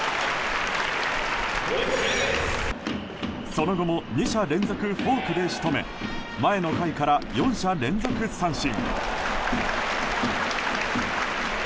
その後も２者連続フォークで仕留め前の回から４者連続三振。